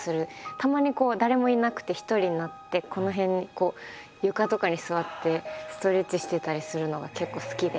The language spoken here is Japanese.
たまに誰もいなくて一人になってこの辺床とかに座ってストレッチしてたりするのが結構好きで。